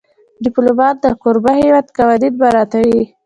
ډيپلومات د کوربه هېواد قوانین مراعاتوي.